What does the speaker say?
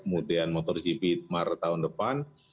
kemudian motogp maret tahun depan